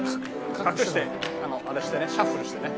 隠してあれしてねシャッフルしてね。